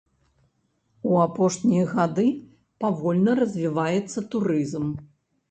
У апошнія гады павольна развіваецца турызм.